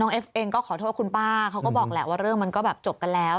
เอฟเองก็ขอโทษคุณป้าเขาก็บอกแหละว่าเรื่องมันก็แบบจบกันแล้ว